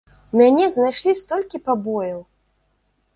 У мяне знайшлі столькі пабояў!